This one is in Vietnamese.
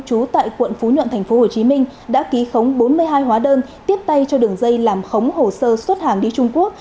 trú tại quận phú nhuận tp hcm đã ký khống bốn mươi hai hóa đơn tiếp tay cho đường dây làm khống hồ sơ xuất hàng đi trung quốc